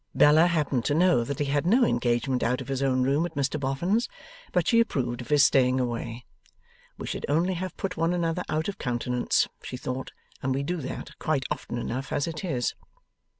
Bella happened to know that he had no engagement out of his own room at Mr Boffin's, but she approved of his staying away. 'We should only have put one another out of countenance,' she thought, 'and we do that quite often enough as it is.